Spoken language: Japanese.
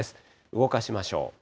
動かしましょう。